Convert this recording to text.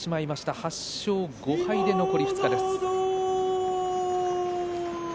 ８勝５敗で残り２日です。